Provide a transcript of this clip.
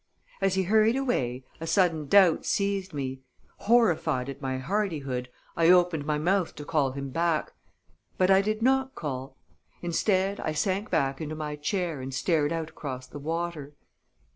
As he hurried away, a sudden doubt seized me; horrified at my hardihood, I opened my mouth to call him back. But I did not call: instead, I sank back into my chair and stared out across the water.